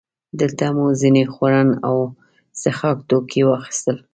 دلته مو ځینې خوړن او څښاک توکي واخیستل.